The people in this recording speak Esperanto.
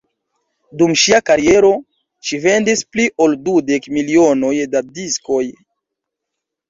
Dum ŝia kariero ŝi vendis pli ol dudek milionoj da diskoj.